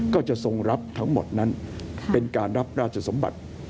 ก็จะทรงรับทั้งหมดนั้นเป็นการรับราชสมบัติ